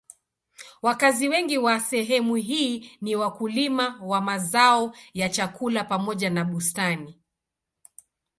Wakazi wengi wa sehemu hii ni wakulima wa mazao ya chakula pamoja na bustani.